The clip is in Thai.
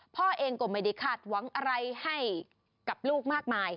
พ่อเองก็ไม่ได้คาดหวังอะไรให้กับลูกมากมาย